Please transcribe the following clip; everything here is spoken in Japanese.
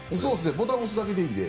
ボタン押すだけでいいので。